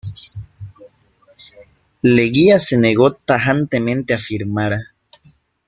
Leguía se negó tajantemente a firmar.